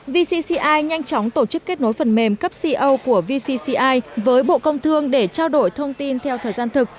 vcci nhanh chóng tổ chức kết nối phần mềm cấp co của vcci với bộ công thương để trao đổi thông tin theo thời gian thực